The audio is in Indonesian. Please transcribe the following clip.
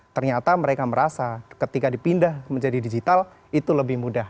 ternyata mereka merasa ketika dipindah menjadi digital itu lebih mudah